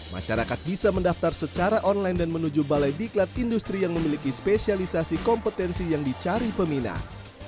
masyarakat bisa mendaftar secara online dan menuju balai diklat industri yang memiliki spesialisasi kompetensi yang dicari peminat